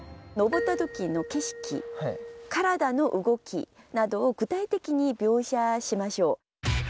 登った時の景色体の動きなどを具体的に描写しましょう。